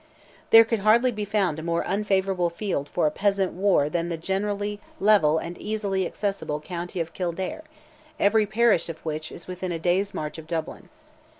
There could hardly be found a more unfavourable field for a peasant war than the generally level and easily accessible county of Kildare, every parish of which is within a day's march of Dublin.